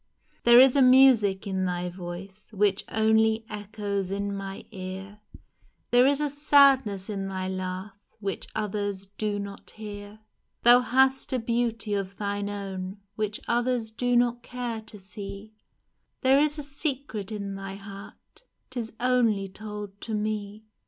There is a music in thy voice Which only echoes in my ear, There is a sadness in thy laugh Which others do not hear ! Thou hast a beauty of thine own Which others do not care to see — There is a secret in thy heart, 'Tis only told to me